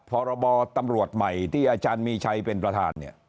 พรบตำรวจใหม่ที่อาจารย์มีชัยเป็นประธานเนี่ย